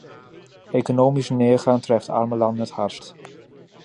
Economische neergang treft arme landen het hardst.